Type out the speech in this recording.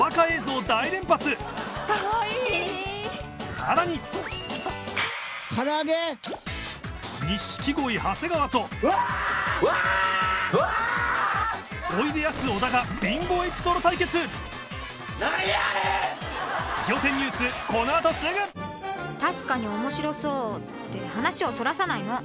さらにおいでやす小田が確かに面白そうって話をそらさないの！